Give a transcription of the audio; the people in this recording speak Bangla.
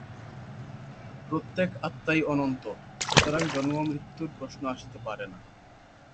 প্রত্যেক আত্মাই অনন্ত, সুতরাং জন্মমৃত্যুর প্রশ্ন আসিতে পারে না।